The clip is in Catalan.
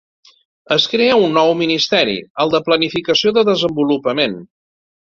Es crea un nou ministeri, el de Planificació de Desenvolupament.